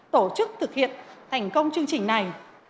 tổ chức thực hiện thành công chương trình này